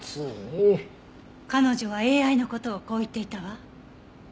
彼女はＡＩの事をこう言っていたわ。